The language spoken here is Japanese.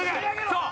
そう！